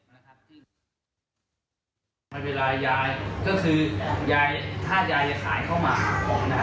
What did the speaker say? เวลายายก็คือถ้ายายจะขายเข้ามา